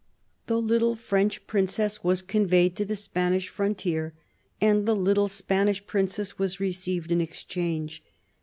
The little French princess was conveyed to the Spanish frontier, and the little Spanish princess was received in exchange.